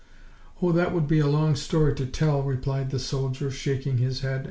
"Oh, that would be a long story to tell," replied the soldier, shaking his head.